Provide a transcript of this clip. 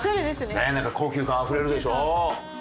ねえなんか高級感あふれるでしょ。